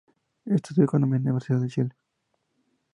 Estudió economía en la Universidad de Chile.